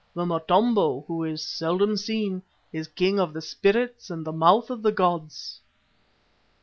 The Motombo, who is seldom seen, is King of the spirits and the Mouth of the gods."